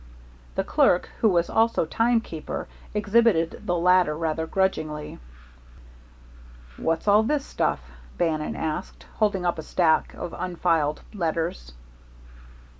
The clerk, who was also timekeeper, exhibited the latter rather grudgingly. "What's all this stuff?" Bannon asked, holding up a stack of unfiled letters.